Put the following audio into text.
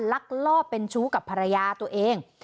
ลักลอบเป็นชู้กับภรรยาตัวเอง